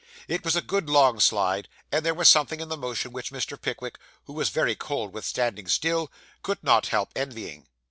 It was a good long slide, and there was something in the motion which Mr. Pickwick, who was very cold with standing still, could not help envying.